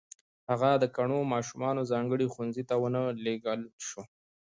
هغه د کڼو ماشومانو ځانګړي ښوونځي ته و نه لېږل شو